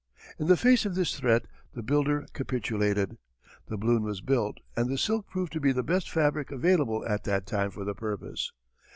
In the face of this threat the builder capitulated. The balloon was built, and the silk proved to be the best fabric available at that time for the purpose.